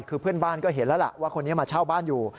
คือเพื่อนบ้านก็เห็นแล้วล่ะว่าคนนี้มาเช่าบ้านอยู่